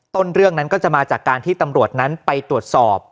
ต้นเรื่องนั้นก็จะมาจากการที่ตำรวจนั้นไปตรวจสอบ